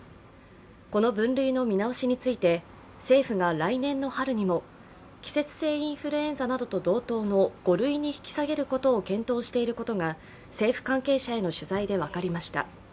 この分類の見直しについて政府が来年の春にも政府が来年の春にも季節性インフルエンザなどと同等の５類に引き下げることを検討していることが政府関係者への取材で分かりました。